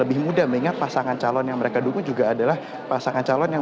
pertama mereka akan menggunakan dukungan dari sektor sektor profesional